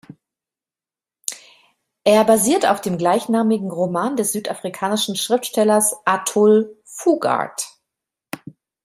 Er basiert auf dem gleichnamigen Roman des südafrikanischen Schriftstellers Athol Fugard.